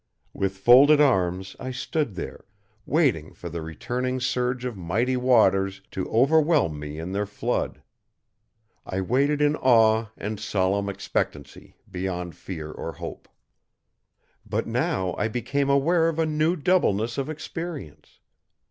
With folded arms I stood there, waiting for the returning surge of mighty waters to overwhelm me in their flood. I waited in awe and solemn expectancy, beyond fear or hope. But now I became aware of a new doubleness of experience.